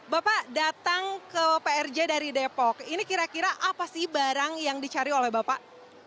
bapak datang ke prj dari depok ini kira kira apa sih barang yang dicari oleh bapak